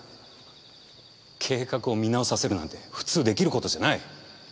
計画を見直させるなんて普通出来ることじゃない。